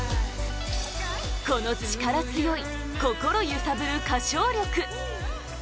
この力強い心揺さぶる歌唱力